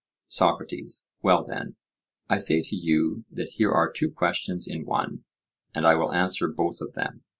SOCRATES: Well then, I say to you that here are two questions in one, and I will answer both of them.